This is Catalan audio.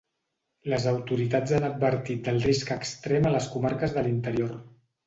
Les autoritats han advertit del risc extrem a les comarques de l’interior.